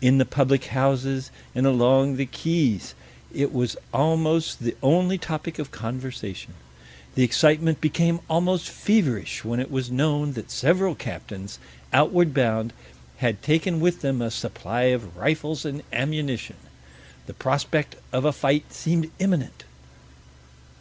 In the public houses and along the quays it was almost the only topic of conversation. The excitement became almost feverish when it was known that several captains, outward bound, had taken with them a supply of rifles and ammunition. The prospect of a fight seemed imminent.